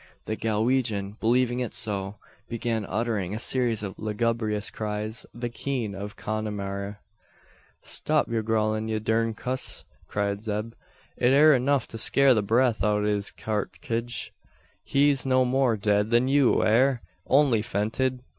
The Galwegian, believing it so, began uttering a series of lugubrious cries the "keen" of Connemara. "Stop yur gowlin, ye durned cuss!" cried Zeb. "It air enuf to scare the breath out o' his karkidge. He's no more dead than you air only fented.